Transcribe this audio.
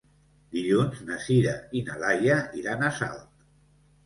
Dilluns na Sira i na Laia iran a Salt.